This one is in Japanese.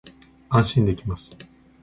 安心できます